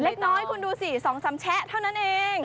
เล็กน้อยคุณดูสิ๒๓แชะเท่านั้นเอง